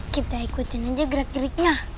kita ikutin aja gerak geriknya